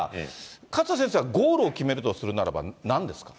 勝田先生は、ゴールを決めるとするならば、なんですか。